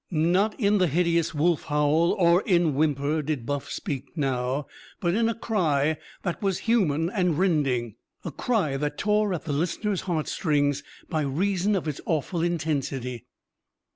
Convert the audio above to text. Not in the hideous wolf howl or in whimper did Buff speak now, but in a cry that was human and rending a cry that tore at the listener's heartstrings by reason of its awful intensity.